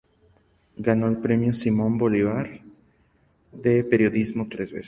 Ganó el Premio Simón Bolívar de Periodismo tres veces.